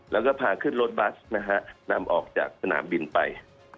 แล้วก็พาขึ้นรถบัสนะฮะนำออกจากสนามบินไป